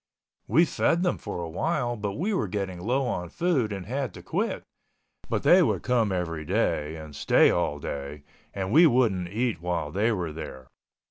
We fed them for awhile but we were getting low on food and had to quit, but they would come every day and stay all day and we wouldn't eat while they were there.